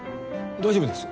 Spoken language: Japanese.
大丈夫ですよ。